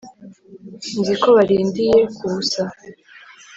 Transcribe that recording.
nzi ko barindiye ku busa